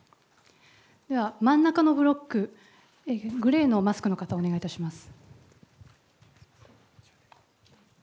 では真ん中のブロック、グレーのマスクの方、お願いいたします。